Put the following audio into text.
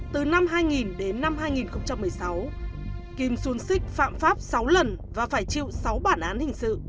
từ năm hai nghìn đến năm hai nghìn một mươi sáu kim sung six phạm pháp sáu lần và phải chịu sáu bản án hình sự